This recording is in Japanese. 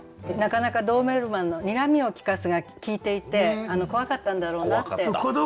なかなかドーベルマンの「睨みをきかす」が効いていて怖かったんだろうなって思います。